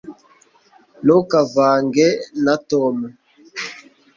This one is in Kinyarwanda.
ntukavange na tom